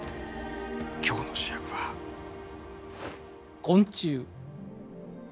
今日の主役は昆虫。